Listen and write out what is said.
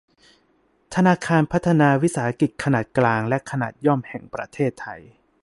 ธนาคารพัฒนาวิสาหกิจขนาดกลางและขนาดย่อมแห่งประเทศไทย